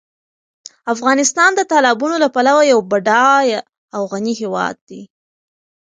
افغانستان د تالابونو له پلوه یو بډایه او غني هېواد دی.